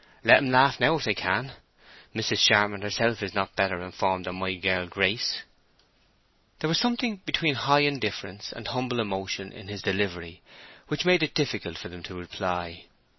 Let 'em laugh now if they can: Mrs. Charmond herself is not better informed than my girl Grace." There was something between high indifference and humble emotion in his delivery, which made it difficult for them to reply.